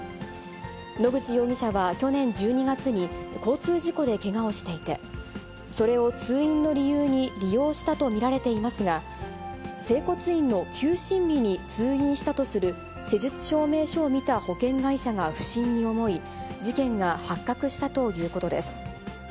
野口容疑者は去年１２月に、交通事故でけがをしていて、それを通院の理由に利用したと見られていますが、整骨院の休診日に通院したとする施術証明書を見た保険会社が不審に思い、事件が発覚したということです。